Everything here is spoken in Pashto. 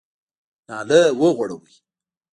نالۍ وغوړوئ !